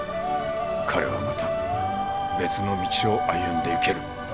彼はまた別の道を歩んでいける。